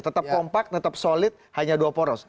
tetap kompak tetap solid hanya dua poros